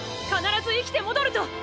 必ず生きて戻ると！